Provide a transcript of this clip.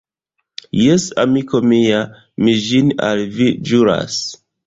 Jes, amiko mia, mi ĝin al vi ĵuras.